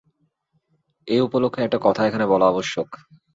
এই উপলক্ষে একটা কথা এখানে বলা আবশ্যক।